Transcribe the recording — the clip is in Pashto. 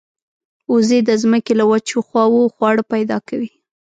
وزې د زمکې له وچو خواوو خواړه پیدا کوي